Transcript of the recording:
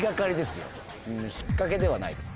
引っかけではないです。